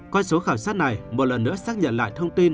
con số khảo sát này một lần nữa xác nhận lại thông tin